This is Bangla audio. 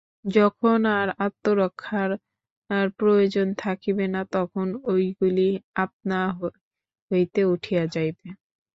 যখন আর আত্মরক্ষার প্রয়োজন থাকিবে না, তখন ঐগুলি আপনা হইতেই উঠিয়া যাইবে।